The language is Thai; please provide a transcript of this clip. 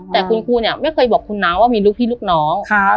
แต่คุณครูเนี่ยไม่เคยบอกคุณน้าว่ามีลูกพี่ลูกน้อง